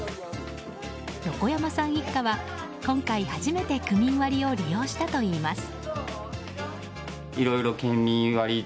横山さん一家は今回初めて区民割を利用したといいます。